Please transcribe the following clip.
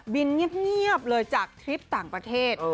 เงียบเลยจากทริปต่างประเทศ